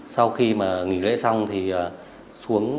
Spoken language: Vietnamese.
sau khi mà nghỉ lễ xong thì xuống